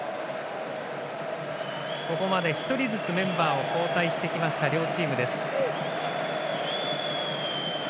ここまで１人ずつメンバーを交代してきた両チーム。